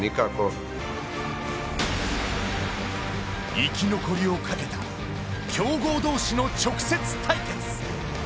生き残りをかけた強豪同士の直接対決。